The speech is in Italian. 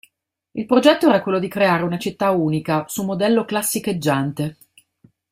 Il progetto era quello di creare una città unica, su modello classicheggiante.